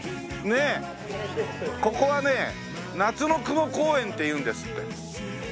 ここはね夏の雲公園っていうんですって。